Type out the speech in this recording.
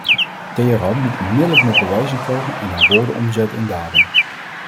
Teheran moet onmiddellijk met bewijzen komen en haar woorden omzetten in daden.